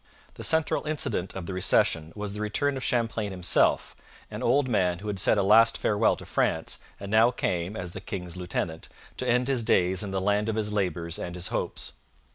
The central incident of the recession was the return of Champlain himself an old man who had said a last farewell to France and now came, as the king's lieutenant, to end his days in the land of his labours and his hopes.